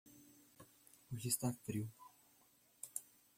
Hoje está frio